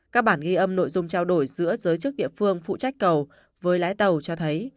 các bản ghi âm nội dung trao đổi giữa giới chức địa phương phụ trách cầu với lái tàu cho thấy